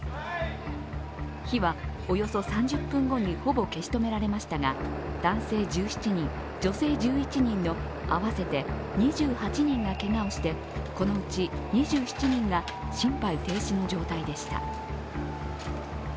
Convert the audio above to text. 火はおよそ３０分後にほぼ消し止められましたが、男性１７人、女性１１人の合わせて２８人がけがをして、このうち２７人が心肺停止の状態でした。